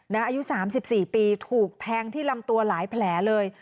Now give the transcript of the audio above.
อายุ๓๔ปีถูกแทงที่ลำตัวหลายแผลเลย